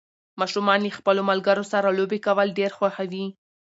ماشومان له خپلو ملګرو سره لوبې کول ډېر خوښوي